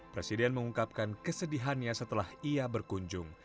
presiden mengungkapkan kesedihannya setelah ia berkunjung